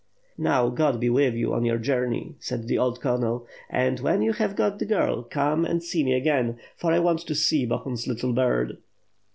•*Now God be with you on your journey," said the old colonel; *'and, when you have got the girl, come and see me again, for I want to see Bohun's little bird."